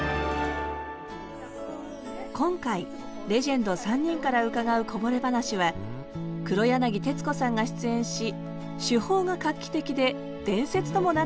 今回レジェンド３人から伺うこぼれ話は黒柳徹子さんが出演し手法が画期的で伝説ともなっている番組について。